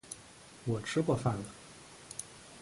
我吃过饭了